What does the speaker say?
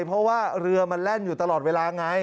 เพราะว่าเรือมันแล่นอยู่ตลอดเวลาไง